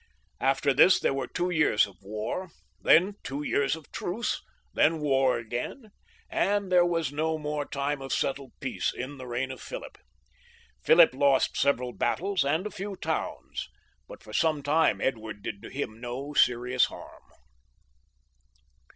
After this there were two years of war, then two years of truce, then war again, and there was no more time of settled peace in the reign of Philip. Philip lost several battles and a few towns, but for some time Edward did him no serious harm.